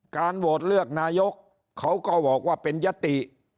โหวตเลือกนายกเขาก็บอกว่าเป็นยติ